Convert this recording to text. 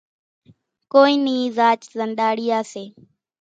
ڪونئين نِي زاچ زنڏاڙيا سي۔